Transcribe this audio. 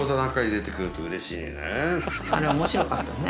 あれ面白かったね。